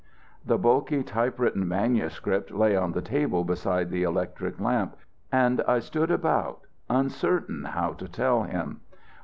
The bulky typewritten manuscript lay on the table beside the electric lamp, and I stood about uncertain how to tell him.